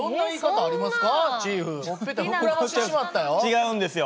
違うんですよ。